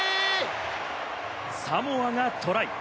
サモアがトライ。